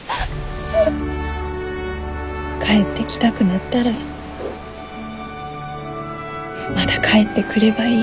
帰ってきたくなったらまた帰ってくればいい。